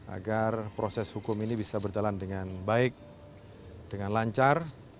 agar proses hukum ini bisa berjalan dengan baik dengan lancar